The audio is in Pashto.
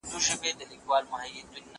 زه به سبا کتابتون ته راځم وم!